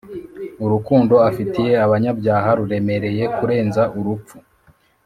urukundo afitiye abanyabyaha ruremereye kurenza urupfu.